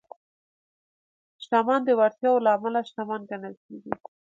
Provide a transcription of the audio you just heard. شتمن د وړتیاوو له امله شتمن ګڼل کېږي.